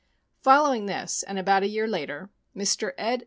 Following this, and about a year later, Mr. Ed.